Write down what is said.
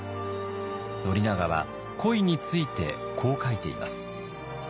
宣長は恋についてこう書いています。